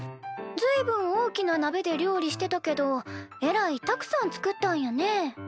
ずいぶん大きななべで料理してたけどえらいたくさん作ったんやね。